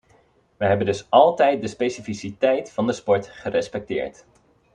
Wij hebben dus altijd de specificiteit van de sport gerespecteerd.